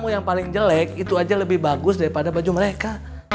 yang paling jelek itu aja lebih bagus daripada baju mereka